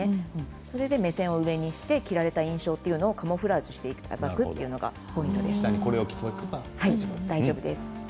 それで目線を上にして着られた印象をカムフラージュしていただくのがポイントです。